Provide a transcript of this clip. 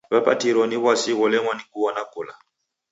W'apatiro ni w'asi gholemwa ni kuw'ona kula.